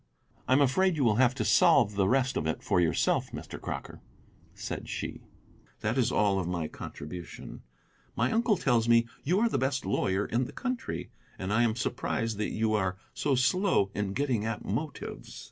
"I am afraid you will have to solve the rest of it for yourself, Mr. Crocker," said she; "that is all of my contribution. My uncle tells me you are the best lawyer in the country, and I am surprised that you are so slow in getting at motives."